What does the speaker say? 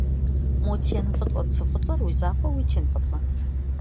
Мо тен фӏыцӏэ цы фӏыцӏэр уэ уи закъуэ уи тен фӏыцӏэ?